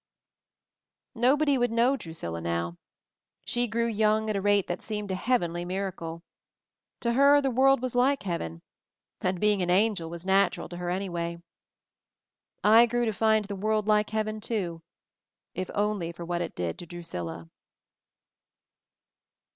Nobody would know Drusilla now. She grew young at a rate that seemed a heavenly miracle. To her the world was like heaven, and, being an angel was natural to her any way. I grew to find the world like heaven, too — if only for what it did to Drusilla.